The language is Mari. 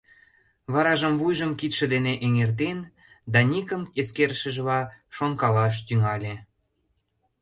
Варажым вуйжым кидше дене эҥертен, Даникым эскерышыжла, шонкалаш тӱҥале.